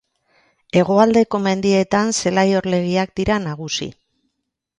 Hegoaldeko mendietan zelai orlegiak dira nagusi.